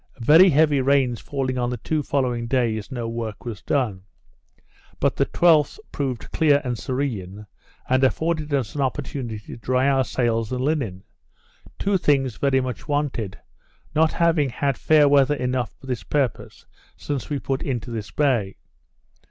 Very heavy rains falling on the two following days, no work was done; but the 12th proved clear and serene, and afforded us an opportunity to dry our sails and linen; two things very much wanted; not having had fair weather enough for this purpose since we put into this bay.